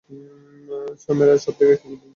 সোয়ার্মেরা সব জায়গায় কিলবিল করছে!